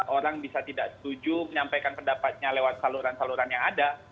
orang bisa tidak setuju menyampaikan pendapatnya lewat saluran saluran yang ada